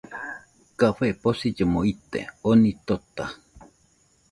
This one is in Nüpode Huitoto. Café posillomo ite , oni tota